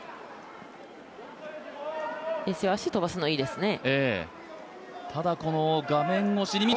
足を飛ばすのいいですね。